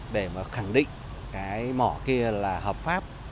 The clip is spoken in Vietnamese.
để mà khẳng định cái mỏ kia là hợp pháp